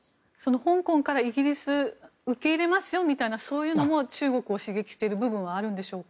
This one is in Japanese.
香港からイギリス受け入れますよとそういうのも中国を刺激している部分もあるでしょうか。